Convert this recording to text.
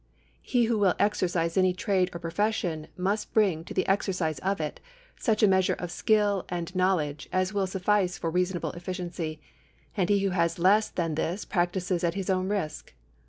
^ He who will exercise any trade or profession must bring to the exercise of it such a measure of skill and knowledge as will sufhce for reasonable efficiency, and he who has less than this practises at his own risk.